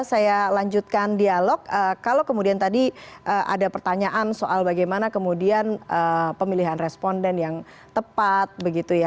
saya lanjutkan dialog kalau kemudian tadi ada pertanyaan soal bagaimana kemudian pemilihan responden yang tepat begitu ya